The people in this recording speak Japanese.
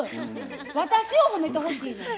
私を褒めてほしいのよ。